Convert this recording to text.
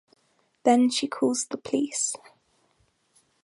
Then she calls the police.